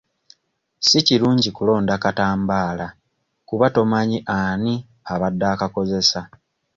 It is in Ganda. Si kirungi kulonda katambaala kuba tomanyi ani abadde akakozesa.